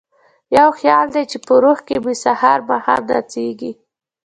یو خیال دی چې په روح کې مې سهار ماښام نڅیږي